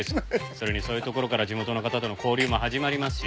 それにそういうところから地元の方との交流も始まりますし。